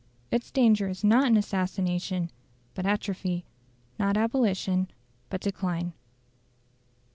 Its danger is not in assassination, but atrophy; not abolition, but decline.